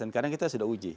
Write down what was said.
karena kita sudah uji